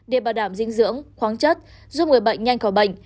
để bảo đảm dinh dưỡng khoáng chất giúp người bệnh nhanh khỏi bệnh